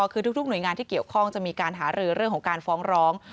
คือทุกหน่วยงานที่เกี่ยวข้องจะมีการหารือเรื่องของการฟ้องร้อง